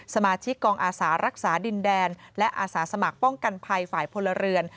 สมาชิกกองอาสารักษาดินแดนและอาสาสมัครป้องกันภัยฝ่ายพลเรือน